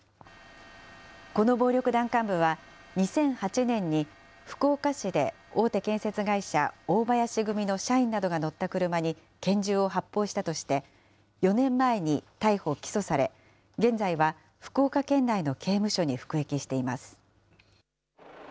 この暴力団幹部は、２００８年に福岡市で大手建設会社、大林組の社員などが乗った車に拳銃を発砲したとして、４年前に逮捕・起訴され、現在は福岡県内の刑務所に服役しています。